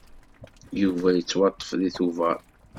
Yuba yettwaṭṭef deg Tubeṛ.